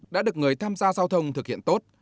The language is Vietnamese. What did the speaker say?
đã được người tham gia giao thông thực hiện tốt